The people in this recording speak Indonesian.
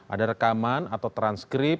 ada rekaman atau transkrip